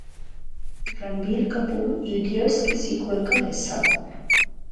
Ranbir Kapoor idiots کے sequel کا حصہ